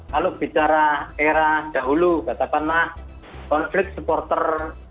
kalau bicara era dahulu katakan mas konflik supporter